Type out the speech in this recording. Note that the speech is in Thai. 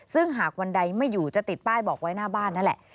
ซึ่งหากวันใดไม่อยู่จะติดป้ายบอกไว้หน้าบ้านนั่นแหละ